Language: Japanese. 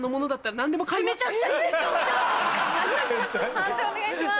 判定お願いします。